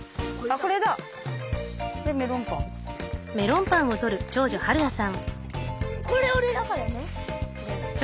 これ俺だからね！